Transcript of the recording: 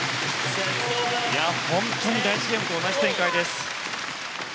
本当に第１ゲームと同じ展開です。